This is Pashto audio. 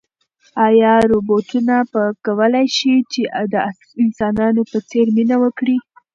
ایا روبوټونه به وکولای شي چې د انسانانو په څېر مینه وکړي؟